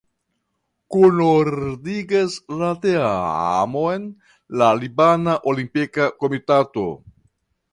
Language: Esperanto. Kunordigas la teamon la Libana Olimpika Komitato.